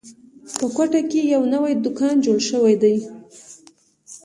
په کوټه کې یو نوی دوکان جوړ شوی ده